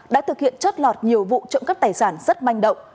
đã thực hiện chất lọt nhiều vụ trộm cắp tài sản rất manh động